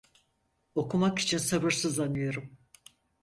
Okumak için sabırsızlanıyorum.